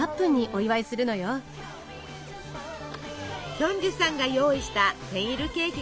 ヒョンジュさんが用意したセンイルケーキがこちら。